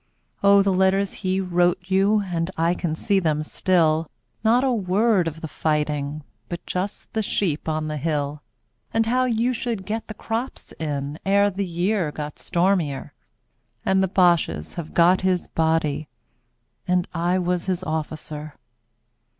Oh, the letters he wrote you, And I can see them still. Not a word of the fighting But just the sheep on the hill And how you should get the crops in Ere the year got stormier, 40 And the Bosches have got his body. And I was his officer.